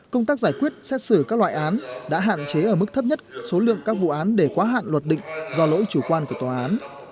công tác giải quyết xét xử các loại án đã hạn chế ở mức thấp nhất số lượng các vụ án để quá hạn luật định do lỗi chủ quan của tòa án